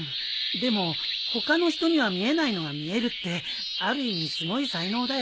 でも他の人には見えないのが見えるってある意味すごい才能だよ。